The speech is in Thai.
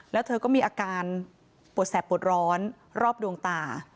แล้วเธอก็มีอาการปวดแสบปวดร้อนรอบดวงตา